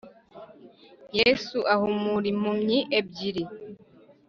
Yesu ahumura impumyi ebyiri